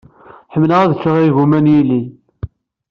Ḥemmleɣ ad ččeɣ igumma n yilel.